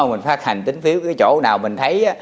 mình phát hành tính phiếu cái chỗ nào mình thấy